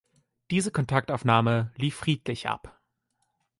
Diese Kontaktaufnahme lief friedlich ab.